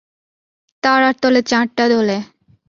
তারার তলে চাঁদটা দোলে।